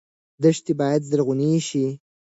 دښتې باید زرغونې شي.